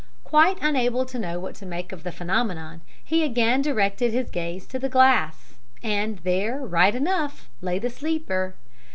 "Quite unable to know what to make of the phenomenon, he again directed his gaze to the glass, and there right enough lay the sleeper.